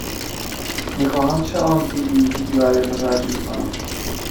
می خواهمم چند آنتی بیوتیک برایتان تجویز کنم.